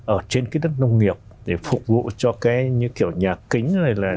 ở trên cái đất nông nghiệp để phục vụ cho những kiểu nhà kính